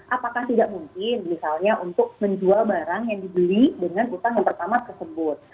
apakah tidak mungkin misalnya untuk menjual barang yang dibeli dengan utang yang pertama tersebut